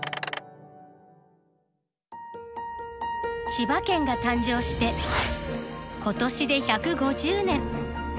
千葉県が誕生して今年で１５０年。